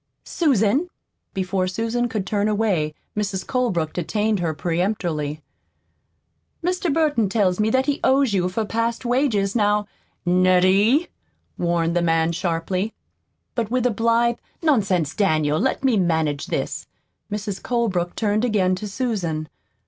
"Susan!" Before Susan could turn away, Mrs. Colebrook detained her peremptorily." Mr. Burton tells me that he owes you for past wages. Now " "NETTIE!" warned the man sharply. But with a blithe "Nonsense, Daniel, let me manage this!" Mrs. Colebrook turned again to Susan.